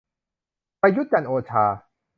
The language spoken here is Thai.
ประยุทธ์ จันทร์โอชา